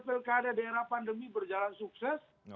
pekadai perkadai pandemi berjalan sukses